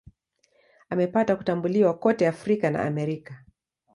Amepata kutambuliwa kote Afrika na Amerika.